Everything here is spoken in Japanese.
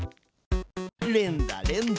連打連打！